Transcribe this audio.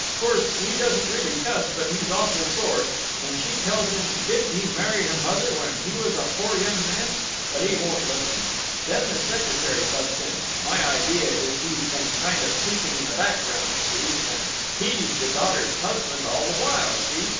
Course he doesn't really cuss, but he's awful sore; and she tells him didn't he marry her mother when he was a poor young man; but he won't listen. Then the secretary butts in—my idea is he's been kind of keeping in the background, see—and he's the daughter's husband all the while, see?